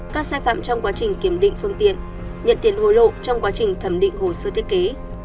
các sai phạm trong quá trình kiểm định phương tiện nhận tiền hối lộ trong quá trình thẩm định hồ sơ thiết kế